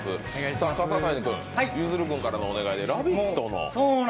さあ、ゆずる君からのお願いで「ラヴィット！」の映像。